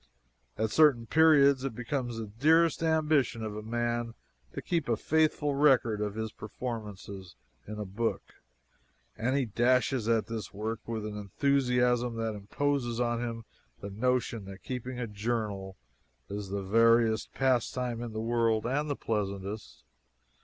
At certain periods it becomes the dearest ambition of a man to keep a faithful record of his performances in a book; and he dashes at this work with an enthusiasm that imposes on him the notion that keeping a journal is the veriest pastime in the world, and the pleasantest.